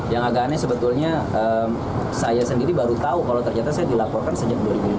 yang agak aneh sebetulnya saya sendiri baru tahu kalau ternyata saya dilaporkan sejak dua ribu empat belas